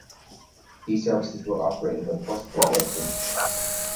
These services were operated by First Great Western.